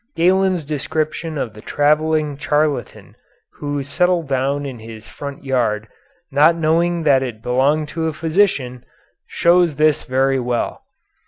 Galen's description of the travelling charlatan who settled down in his front yard, not knowing that it belonged to a physician, shows this very well.